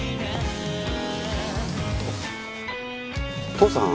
父さん